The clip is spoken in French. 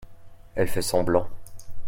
elle fait semblant.